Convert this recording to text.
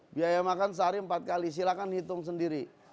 biaya makan sehari empat kali silakan hitung sendiri